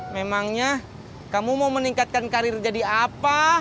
memangnya kamu mau meningkatkan karir jadi apa